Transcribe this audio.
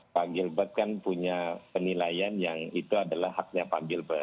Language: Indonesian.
pak gilbert kan punya penilaian yang itu adalah haknya pak gilbert